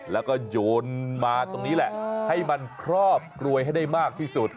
แล้วก็โยนมาตรงนี้แหละให้มันครอบรวยให้ได้มากที่สุด